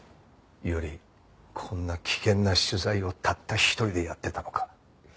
伊織こんな危険な取材をたった一人でやってたのか？